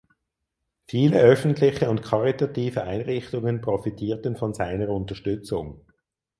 Viele öffentliche und karitative Einrichtungen profitierten von seiner Unterstützung.